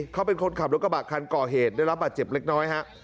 เขาเป็นคนขับรถทะบะคันก่อเฮรดโดยรับปัจจิบเล็กน้อย